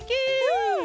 うん！